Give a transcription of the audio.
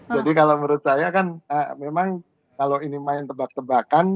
jadi kalau menurut saya kan memang kalau ini main tebak tebakan